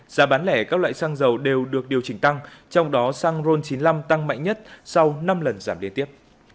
giá bán lẻ các loại xăng dầu đều được điều chỉnh tăng trong đó xăng ron chín mươi năm tăng mạnh nhất sau năm lần giảm liên tiếp